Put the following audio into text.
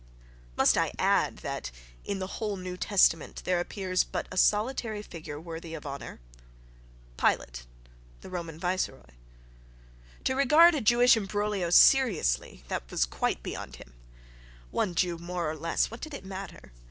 —Must I add that, in the whole New Testament, there appears but a solitary figure worthy of honour? Pilate, the Roman viceroy. To regard a Jewish imbroglio seriously—that was quite beyond him. One Jew more or less—what did it matter?...